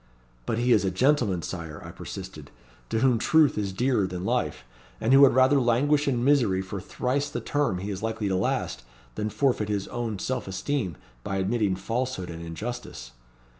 'But he is a gentleman, Sire,' I persisted, 'to whom truth is dearer than life, and who would rather languish in misery for thrice the term he is likely to last, than forfeit his own self esteem by admitting falsehood and injustice.'